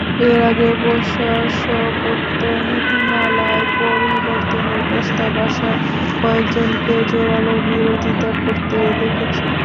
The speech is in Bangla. এর আগেও প্রশাসকত্ব নীতিমালায় পরিবর্তনের প্রস্তাব আসায় কয়েকজনকে জোড়ালো বিরোধিতা করতে দেখেছি।